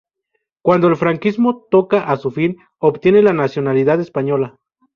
Cuando el franquismo toca a su fin, obtiene la nacionalidad española.